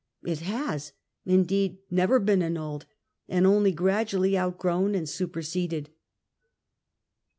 It has, indeed, never been annulled, but only gradually outgrown and super seded.